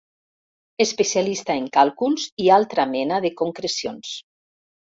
Especialista en càlculs i altra mena de concrecions.